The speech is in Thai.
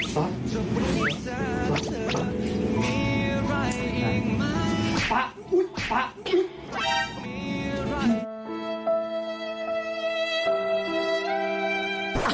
ป๊ะป๊ะป๊ะ